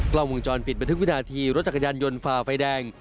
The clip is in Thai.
กล้องวงจรปิดบันทึกวินาทีรถจักรยานยนต์ฝ่าไฟแดง